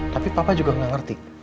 tapi papa juga nggak ngerti